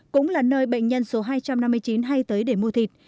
cũng là nơi bệnh nhân số hai trăm năm mươi chín hay tới để mua thịt